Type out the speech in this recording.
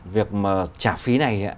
việc mà trả phí này